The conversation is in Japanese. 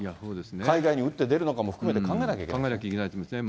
海外に打って出るのかも含めて考考えなきゃいけないですね。